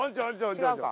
違うか。